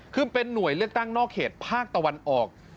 คือเป็นหน่วยเลือกตั้งนอกเขตภาคตะวันออก